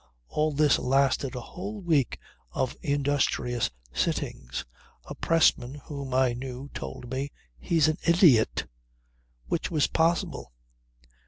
All this lasted a whole week of industrious sittings. A pressman whom I knew told me "He's an idiot." Which was possible.